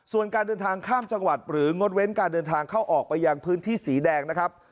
ส่วนการเดินทางข้ามจังหวัดหรืองดเว้นการเดินทางเข้าออกไปยังพื้นที่สีแดงนะครับ